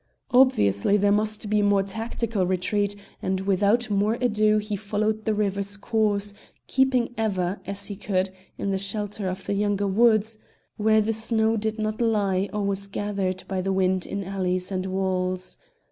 Obviously there must be a more tactical retreat, and without more ado he followed the river's course, keeping ever, as he could, in the shelter of the younger woods, where the snow did not lie or was gathered by the wind in alleys and walls.